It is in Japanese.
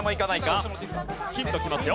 ヒントきますよ。